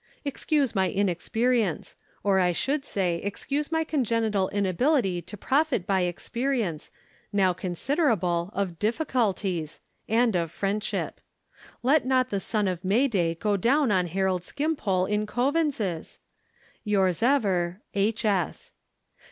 Excuse my inexperience; or, I should say, excuse my congenital inability to profit by experience, now considerable, of difficulties—and of friendship. Let not the sun of May day go down on Harold Skimpole in Coavins's!—Yours ever, H.